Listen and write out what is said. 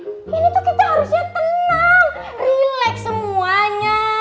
ini tuh kita harusnya tenang rileks semuanya